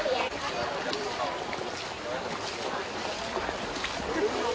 สวัสดีครับ